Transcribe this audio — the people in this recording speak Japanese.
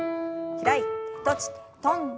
開いて閉じて跳んで。